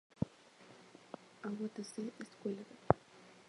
Aguatase escuelape.